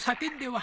は？